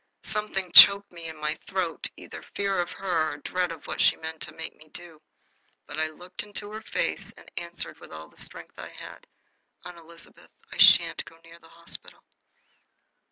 Something choked me in my throat: either fear of her or dread of what she meant to make me do. But I looked into her face and answered with all the strength I had: "Aunt Elizabeth, I sha'n't go near the hospital."